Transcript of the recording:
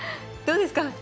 どうですか？